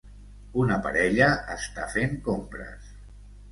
Una parella està fent compres